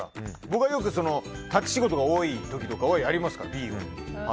僕はよく立ち仕事が多い時とかもありますから。